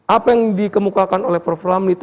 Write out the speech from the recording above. apa yang dikemukakan oleh prof ramli itu